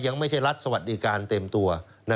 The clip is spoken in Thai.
ไม่ใช่รัฐสวัสดิการเต็มตัว